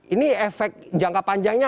ini efek jangka panjangnya